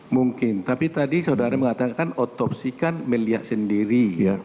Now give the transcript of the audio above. mungkin tapi tadi saudara mengatakan otopsi kan melihat sendiri